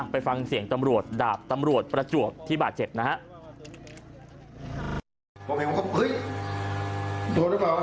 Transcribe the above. ไปฟังเสียงตำรวจดาบตำรวจประจวบที่บาดเจ็บนะฮะ